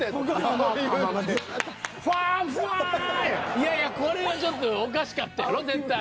いやいやこれはちょっとおかしかったやろ絶対。